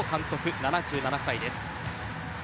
７７歳です。